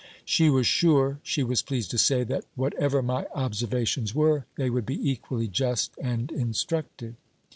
She was sure, she was pleased to say, that whatever my observations were, they would be equally just and instructive.